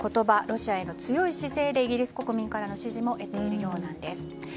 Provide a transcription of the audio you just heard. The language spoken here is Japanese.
ロシアへの強い姿勢でイギリス国民からの支持も得ているようです。